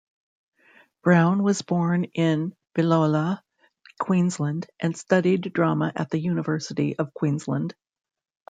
Brown was born in Biloela, Queensland and studied drama at the University of Queensland.